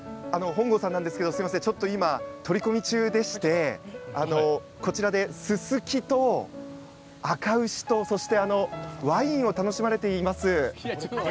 本郷さんなんですけど取り込み中でしてこちらで、ススキと、あか牛とそしてワインを楽しまれています。